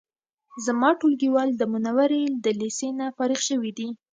زما ټولګیوال د منورې د لیسې نه فارغ شوی دی